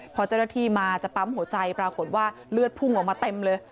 พอเจ้าหน้าที่มาจะปั๊มหัวใจปรากฏว่าเลือดพุ่งออกมาเต็มเลย